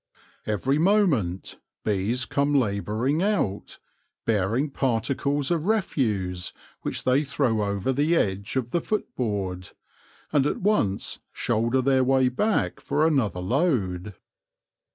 Every moment bees come labouring out, bearing particles of refuse, which they throw over the edge of the foot board, and at once shoulder their way back for another load.